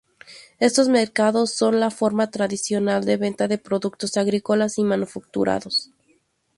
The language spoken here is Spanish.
Estos mercados son la forma tradicional de venta de productos agrícolas y manufacturados.